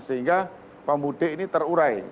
sehingga pemudik ini terurai